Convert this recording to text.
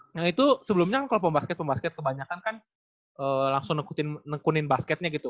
nah itu sebelumnya kalau pembasket pembasket kebanyakan kan langsung nekunin basketnya gitu